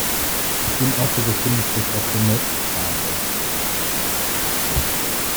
In Orte befindet sich auch der nächste Bahnhof.